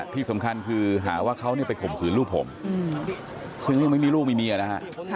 ที่สำคัญคือหาว่าเขาไปข่มขืนลูกผมซึ่งยังไม่มีลูกมีเมียนะฮะ